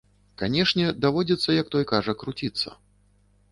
Канешне, даводзіцца, як той кажа, круціцца.